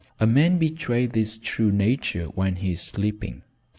A man betrays his true nature when he is sleeping.